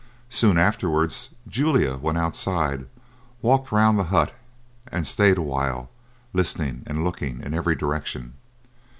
Soon afterwards Julia went outside, walked round the hut, and stayed awhile, listening and looking in every direction.